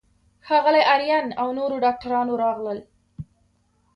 ښاغلی آرین او نورو ډاکټرانو راغلل.